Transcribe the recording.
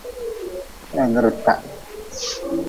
Kpehdrita.